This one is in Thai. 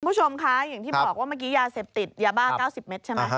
คุณผู้ชมคะอย่างที่บอกว่าเมื่อกี้ยาเสพติดยาบ้า๙๐เมตรใช่ไหม